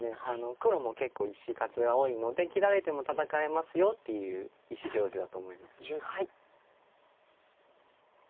黒も結構石数が多いので切られても戦えますよっていう意思表示だと思います。